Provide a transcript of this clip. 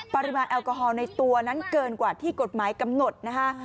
ปริมาณแอลกอฮอลในตัวนั้นเกินกว่าที่กฎหมายกำหนดนะคะ